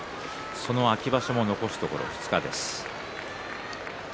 その秋場所も残すところ２日です。